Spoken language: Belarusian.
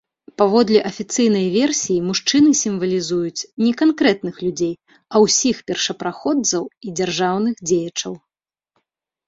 Паводле афіцыйнай версіі мужчыны сімвалізуюць не канкрэтных людзей, а ўсіх першапраходцаў і дзяржаўных дзеячаў.